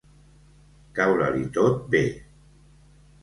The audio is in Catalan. Caure-li tot bé.